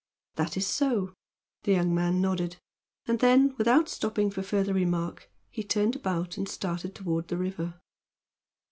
"That is so," the young man nodded, and then, without stopping for further remark, he turned about and started toward the river.